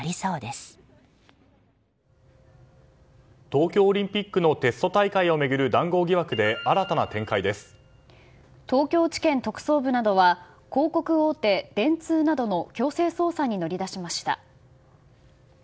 東京オリンピックのテスト大会を巡る談合疑惑で東京地検特捜部などは広告大手、電通などの強制捜査に乗り出しました。